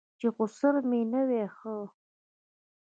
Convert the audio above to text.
چې خسر مې نه وي ښه.